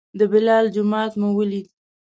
د بلال جومات مو ولید.